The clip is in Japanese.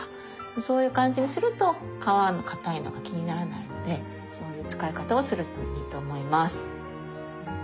そういう感じにすると皮の硬いのが気にならないのでそういう使い方をするといいと思います。